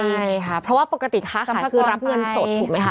ใช่ค่ะเพราะว่าปกติค้าขายคือรับเงินสดถูกไหมคะ